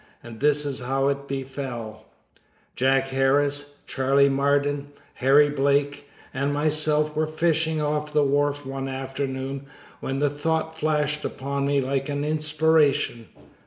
And this is how it befell. Jack Harris, Charley Marden, Harry Blake, and myself were fishing off the wharf one afternoon, when a thought flashed upon me like an inspiration.